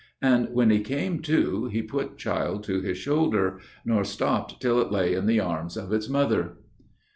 And when he came to, he put child to his shoulder, Nor stopped till it lay in the arms of its mother.